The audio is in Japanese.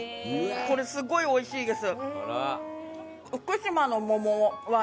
これすごい美味しいです。